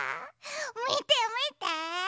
みてみて。